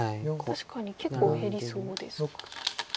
確かに結構減りそうですか。